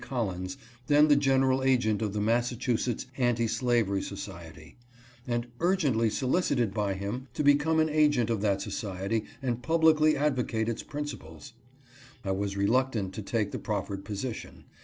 Collins, then the general agent of the Massachusetts Anti Slavery Society, and urgently solicited by him to become an agent of that society and publicly advocate its principles. I was reluctant to take the proffered position.